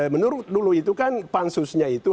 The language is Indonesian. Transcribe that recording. menurut dulu itu kan pansusnya itu